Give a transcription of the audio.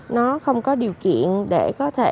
nó không có điều kiện để có thể